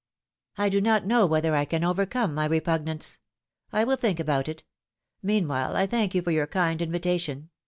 do not know whether I can overcome my repug nance. I will think about it; meanwhile I thank you for your kind invitation.